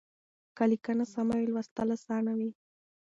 که ليکنه سمه وي لوستل اسانه وي.